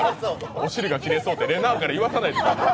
お尻が切れそうって、れなぁから言わさないでください。